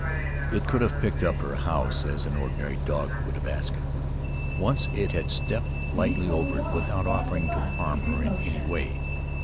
It could have picked up her house as an ordinary dog would a basket. Once it had stepped lightly over it without offering to harm her in any way.